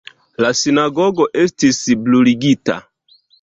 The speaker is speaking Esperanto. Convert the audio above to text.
La sinagogo estis bruligita.